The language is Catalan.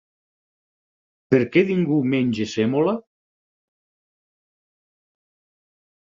Per què ningú menja sèmola?